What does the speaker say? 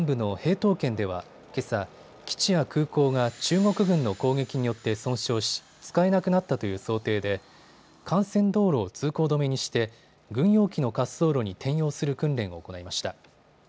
東県ではけさ、基地や空港が中国軍の攻撃によって損傷し使えなくなったという想定で幹線道路を通行止めにして軍用機の滑走路に転用する訓練を行いました。